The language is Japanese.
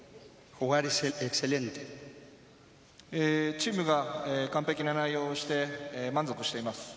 チームが完璧な内容をして満足しています。